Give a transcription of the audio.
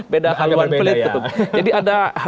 beda hal hal berbeda jadi ada